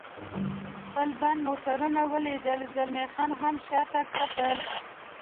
خپل بند موټرونه ولیدل، زلمی خان هم شاته کتل.